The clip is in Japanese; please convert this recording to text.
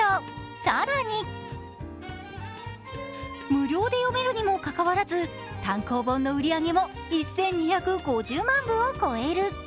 更に無料で読めるにもかかわらず単行本の売り上げも１２５０万部を突破。